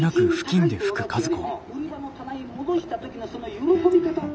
売り場の棚に戻した時のその喜び方。